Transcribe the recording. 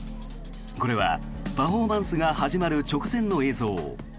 これはパフォーマンスが始まる直前の映像。